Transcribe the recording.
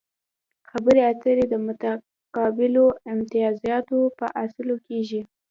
خبرې اترې د متقابلو امتیازاتو په اصولو کیږي